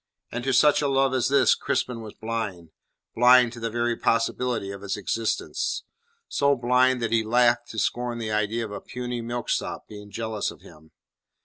And to such a love as this Crispin was blind blind to the very possibility of its existence; so blind that he laughed to scorn the idea of a puny milksop being jealous of him.